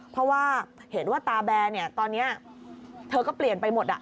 เพราะว่าเห็นว่าตาแบร์เนี่ยตอนนี้เธอก็เปลี่ยนไปหมด